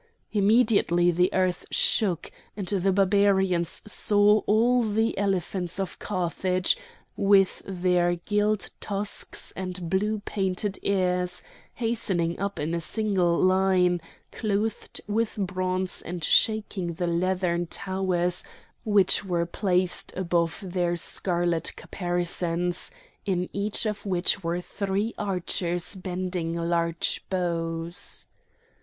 Immediately the earth shook,—and the Barbarians saw all the elephants of Carthage, with their gilt tusks and blue painted ears, hastening up in single line, clothed with bronze and shaking the leathern towers which were placed above their scarlet caparisons, in each of which were three archers bending large bows.